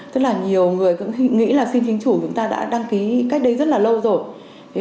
rất là nhiều người cũng nghĩ là xin chính chủ chúng ta đã đăng ký cách đây rất là lâu rồi